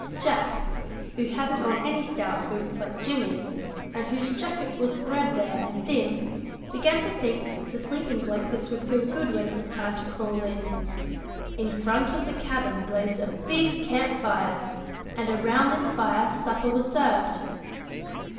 Jack, who hadn't on any stout boots like Jimmie's, and whose jacket was threadbare and thin, began to think the sleeping blankets would feel good when it was time to crawl in. In front of the cabin blazed a big camp fire, and around this fire supper was served.